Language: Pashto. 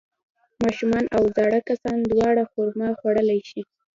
ماشومان او زاړه کسان دواړه خرما خوړلی شي.